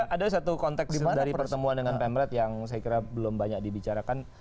ada satu konteks dari pertemuan dengan pemret yang saya kira belum banyak dibicarakan